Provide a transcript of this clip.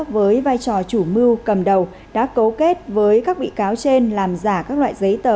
với vai trò chủ mưu cầm đầu đã cấu kết với các bị cáo trên làm giả các loại giấy tờ